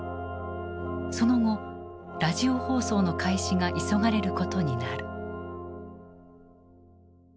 その後ラジオ放送の開始が急がれることになる。